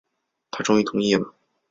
他终于同意了